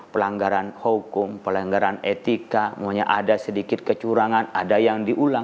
pelanggaran hukum pelanggaran etika ada sedikit kecurangan ada yang diulang